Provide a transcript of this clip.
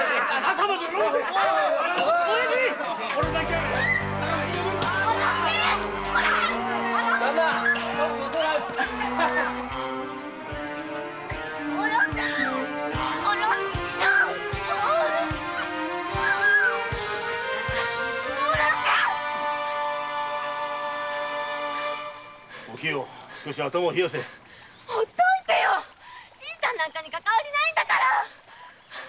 新さんなんかにかかわりないんだから！